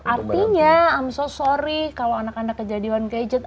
artinya i'm so sorry kalau anak anak kejadian gadget